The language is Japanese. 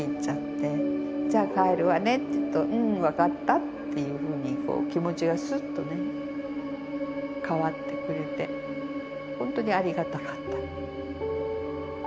「じゃあ帰るわね」って言うと「うん分かった」っていうふうに気持ちがすっとね変わってくれて本当にありがたかった。